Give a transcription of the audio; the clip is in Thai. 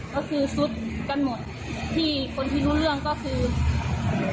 ก็คือซุดกันหมดที่คนที่รู้เรื่องก็คือ